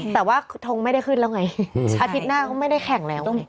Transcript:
แต่ว่าทงไม่ได้ขึ้นแล้วไงอาทิตย์หน้าเขาไม่ได้แข่งแล้ว